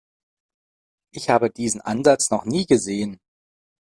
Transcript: Ich habe diesen Ansatz noch nie gesehen.